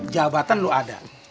jabatan lo ada